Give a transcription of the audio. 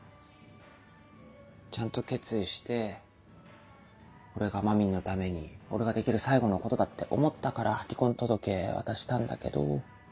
ちゃんと決意してこれがまみんのために俺ができる最後のことだって思ったから離婚届渡したんだけど。